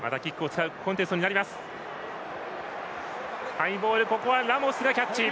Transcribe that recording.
ハイボールはラモスがキャッチ。